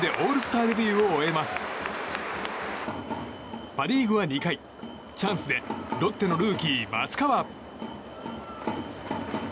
パリーグは２回、チャンスでロッテのルーキー松川。